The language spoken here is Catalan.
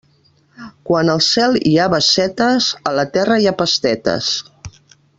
Quan al cel hi ha bassetes, a la terra hi ha pastetes.